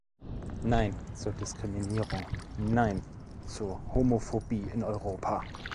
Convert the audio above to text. Nein zur Diskriminierung, Nein zur Homophobie in Europa!